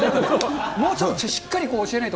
もうちょっとしっかり教えないと。